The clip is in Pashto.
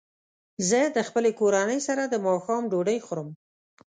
زه د خپلې کورنۍ سره د ماښام ډوډۍ خورم.